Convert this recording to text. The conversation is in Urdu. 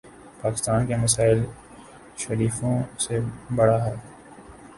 پاکستان کا مسئلہ شریفوں سے بڑا ہے۔